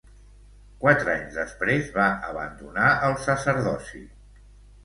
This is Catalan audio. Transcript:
Quatre anys després va abandonar el sacerdoci.